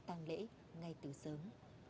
tăng lễ ngay từ sớm